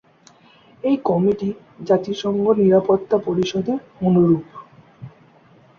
এই কমিটি জাতিসংঘ নিরাপত্তা পরিষদের অনুরূপ।